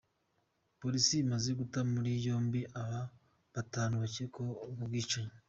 Polisi imaze guta muri yombi abantu batanu bakekwaho ubwo bwicanyi.